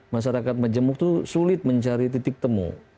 masyarakat majemuk itu sulit mencari titik temu